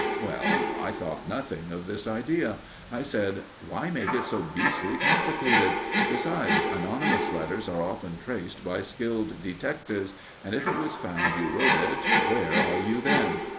Well, I thought nothing of this idea. I said: "Why make it so beastly complicated? Besides, anonymous letters are often traced by skilled detectives, and if it was found you wrote it, where are you then?"